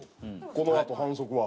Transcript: このあと反則は。